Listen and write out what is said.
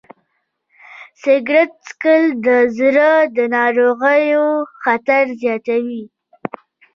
سګریټ څکول د زړه د ناروغیو خطر زیاتوي.